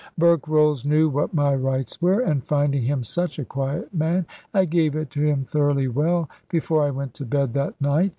Berkrolles knew what my rights were; and finding him such a quiet man, I gave it to him thoroughly well, before I went to bed that night.